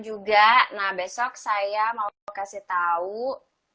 juga nah besok saya mau kasih tahu tentang hal hal yang saya inginkan untuk anda yang sudah menonton video ini